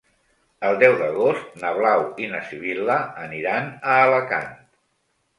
El deu d'agost na Blau i na Sibil·la aniran a Alacant.